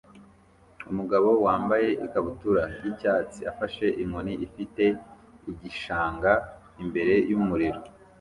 umugabo wambaye ikabutura y'icyatsi afashe inkoni ifite igishanga imbere yumuriro